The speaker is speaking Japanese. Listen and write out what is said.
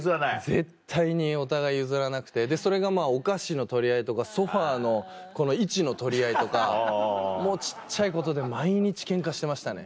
絶対にお互い譲らなくてそれがお菓子の取り合いとかソファの位置の取り合いとかもう小っちゃいことで毎日ケンカしてましたね。